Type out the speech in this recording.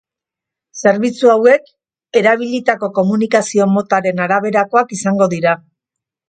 Zerbitzu hauek, erabilitako komunikazio motaren araberakoak izango dira.